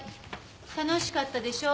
楽しかったでしょ？